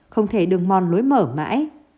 không thể đường mòn lối mở mãi